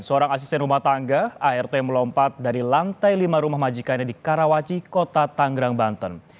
seorang asisten rumah tangga art melompat dari lantai lima rumah majikannya di karawaci kota tanggerang banten